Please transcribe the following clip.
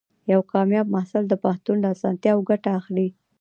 یو کامیاب محصل د پوهنتون له اسانتیاوو ګټه اخلي.